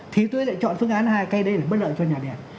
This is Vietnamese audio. thì tôi lại chọn phương án hai cây đây là bất lợi cho nhà điện